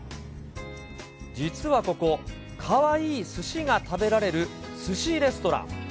実はここ、カワイイすしが食べられるすしレストラン。